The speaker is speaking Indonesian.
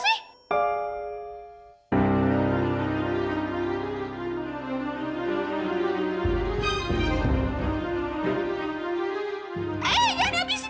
eh jangan dihabisin jangan dihabisin